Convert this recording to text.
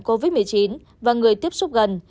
covid một mươi chín và người tiếp xúc gần